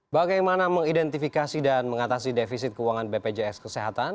bagaimana mengidentifikasi dan mengatasi defisit keuangan bpjs kesehatan